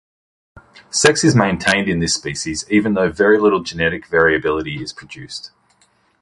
Sex is maintained in this species even though very little genetic variability is produced.